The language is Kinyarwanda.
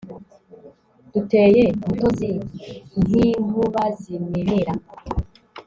duteye butozi ,nk,inkubazimenera